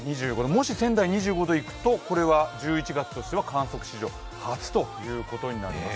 もし仙台で２５度いくと、これは１１月としては観測史上初ということになります。